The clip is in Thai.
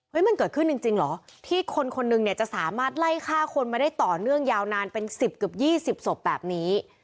มันเกิดขึ้นจริงเหรอที่คนคนหนึ่งเนี่ยจะสามารถไล่ฆ่าคนมาได้ต่อเนื่องยาวนานเป็น๑๐เกือบ๒๐ศพแบบนี้